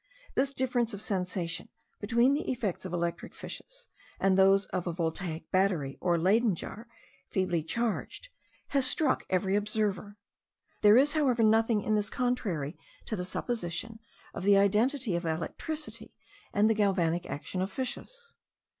This difference of sensation between the effects of electric fishes and those of a Voltaic battery or a Leyden jar feebly charged has struck every observer; there is, however, nothing in this contrary to the supposition of the identity of electricity and the galvanic action of fishes.